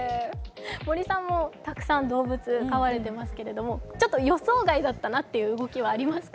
森さんもたくさん動物を飼われてますけど、ちょっと予想外だったなっていう動きはありますか？